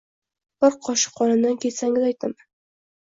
Bir qoshiq qonimdan kechsangiz aytaman